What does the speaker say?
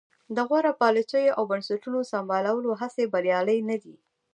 د غوره پالیسیو او بنسټونو سمبالولو هڅې بریالۍ نه دي.